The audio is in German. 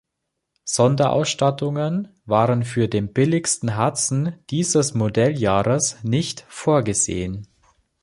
Sonderausstattungen waren für den billigsten Hudson dieses Modelljahres nicht vorgesehen.